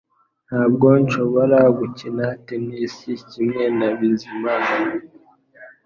Ntabwo nshobora gukina tennis kimwe na Bizimana